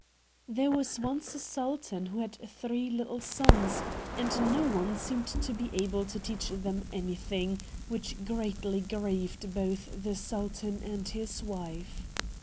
There was once a sultan who had three little sons, and no one seemed to be able to teach them anything; which greatly grieved both the sultan and his wife.